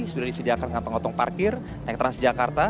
sudah disediakan kantong kantong parkir naik trans jakarta